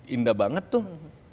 indah banget tuh